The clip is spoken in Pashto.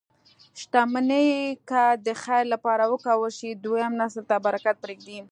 شتمني که د خیر لپاره وکارول شي، دویم نسل ته برکت پرېږدي.